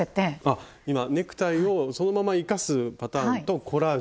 あっ今ネクタイをそのまま生かすパターンとコラージュ。